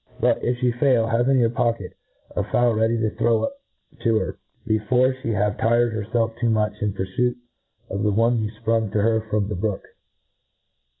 But, if flie foil, have in your pocket a fowl ready to throw up to her, before flie have tired hcrfclf too much }n purfuit of the one you fprung to her from the brook.